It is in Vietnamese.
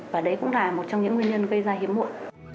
và đấy cũng là một trong những nguyên nhân gây ra hiếm muộn